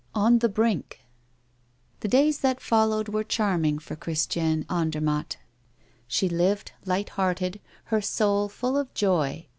On the Brink The days that followed were charming for Christiane Andermatt. She lived, light hearted, her soul full of joy.